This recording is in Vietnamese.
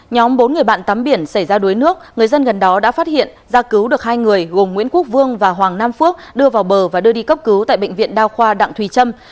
nhóm bốn người bạn tắm biển xảy ra đuối nước người dân gần đó đã phát hiện ra cứu được hai người gồm nguyễn quốc vương và hoàng nam phước đưa vào bờ và đưa đi cấp cứu tại bệnh viện đao khoa đặng thùy trâm